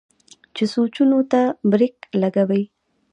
چې سوچونو ته برېک لګوي